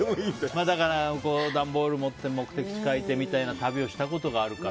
だから段ボール持って目的地書いてみたいな旅をしたことがあるか。